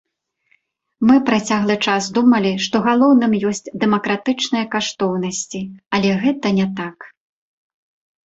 Мы працяглы час думалі, што галоўным ёсць дэмакратычныя каштоўнасці, але гэта не так.